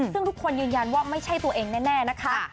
ซึ่งทุกคนยืนยันว่าไม่ใช่ตัวเองแน่นะคะ